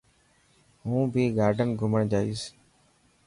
هون ڀهي گارڊن گھمڻ جائيس.